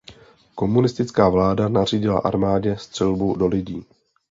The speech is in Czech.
Komunistická vláda nařídila armádě střelbu do lidí.